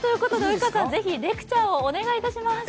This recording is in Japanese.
及川さん、ぜひレクチャーをお願いします。